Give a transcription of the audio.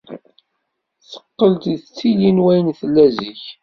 Teqqel d tili n wayen tella zik.